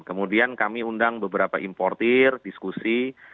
kemudian kami undang beberapa importer diskusi